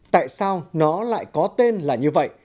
tại sao nó lại có tên là như vậy